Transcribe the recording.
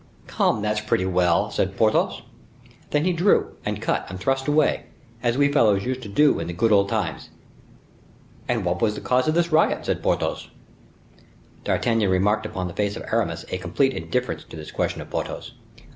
"Come, that's pretty well," said Porthos. "Then he drew, and cut and thrust away, as we fellows used to do in the good old times." "And what was the cause of this riot?" said Porthos. D'Artagnan remarked upon the face of Aramis a complete indifference to this question of Porthos.